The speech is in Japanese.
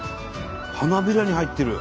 花びらに入ってる。